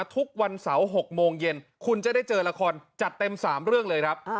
ทุกวันเสาร์๖โมงเย็นคุณจะได้เจอละครจัดเต็ม๓เรื่องเลยครับ